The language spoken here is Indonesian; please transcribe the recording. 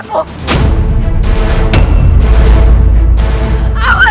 bunda bangun ya